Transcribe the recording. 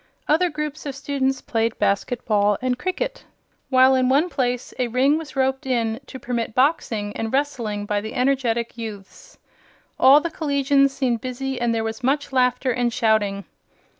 Other groups of students played basketball and cricket, while in one place a ring was roped in to permit boxing and wrestling by the energetic youths. All the collegians seemed busy and there was much laughter and shouting.